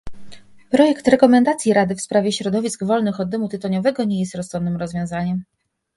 Projekt rekomendacji Rady w sprawie środowisk wolnych od dymu tytoniowego nie jest rozsądnym rozwiązaniem